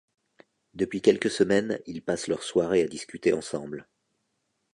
Depuis quelques semaines, ils passent leurs soirées à discuter ensemble.